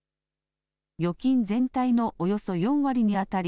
預金全体のおよそ４割にあたり